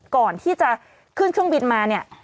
ก่อนที่จะขึ้นเครื่องบินมาเนี่ย